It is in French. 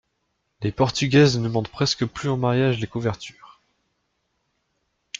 Les portugaises ne demandent presque plus en mariage les couvertures...